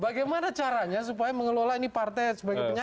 bagaimana caranya supaya mengelola ini partai sebagai penyanyi